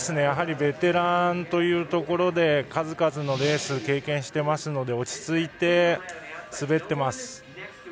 やはりベテランというところで数々のレースを経験してますので落ち着いて滑っています。